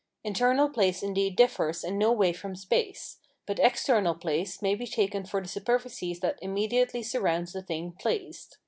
Internal place indeed differs in no way from space; but external place may be taken for the superficies that immediately surrounds the thing placed.